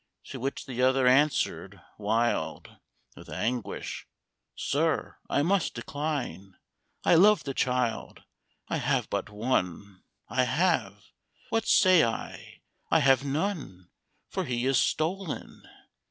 To which the other answered, wild With anguish, "Sir, I must decline I loved a child I have but one I have! What say I? I have none, For he is stolen!"